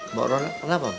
mbak rono kenapa